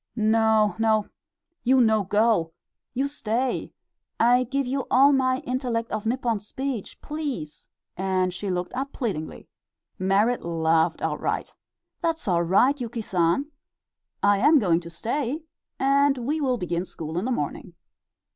"No, no, you no go! You stay. I give you all my intellect of Nippon speech. Please!" and she looked up pleadingly. Merrit laughed outright. "That's all right, Yuki San; I am going to stay, and we will begin school in the morning."